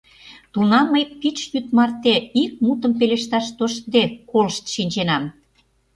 Тунам мый пич йӱд марте, ик мутым пелешташ тоштде, колышт шинченам.